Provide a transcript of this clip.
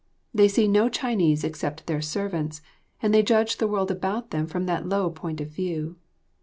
They see no Chinese except their servants, and they judge the world about them from that low point of view.